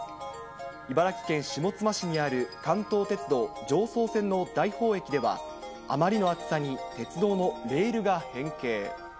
茨城県下妻市にある関東鉄道常総線のだいほう駅では、あまりの暑さに鉄道のレールが変形。